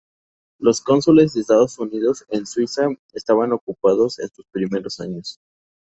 Los cónsules de Estados Unidos en Suiza estaban ocupados en sus primeros años.